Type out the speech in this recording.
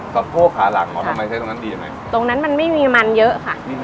สะโพกขาหลังอ๋อทำไมใช้ตรงนั้นดียังไงตรงนั้นมันไม่มีมันเยอะค่ะ